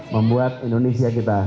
membuat indonesia kita